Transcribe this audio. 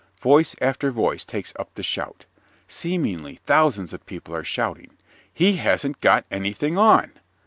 Voice after voice takes up the shout. Seemingly thousands of people are shouting, "He hasn't got anything on!"